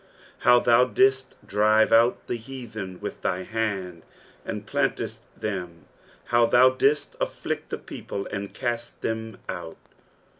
2 Htntf thou didst drive out the heathen with thy hand, and plantedst them ; how thou didst afflict the people, and cast them out.